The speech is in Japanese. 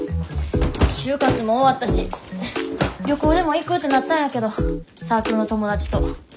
就活も終わったし旅行でも行く？ってなったんやけどサークルの友達と。